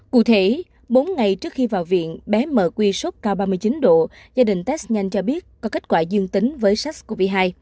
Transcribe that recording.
cụ thể bốn ngày trước khi vào viện bé mq cao ba mươi chín độ gia đình test nhanh cho biết có kết quả dương tính với sars cov hai